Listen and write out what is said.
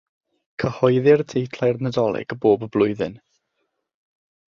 Cyhoeddir teitlau'r Nadolig bob blwyddyn.